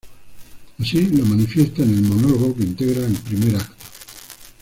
Así lo manifiesta en el monólogo que integra el primer acto.